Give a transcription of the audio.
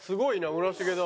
村重だ。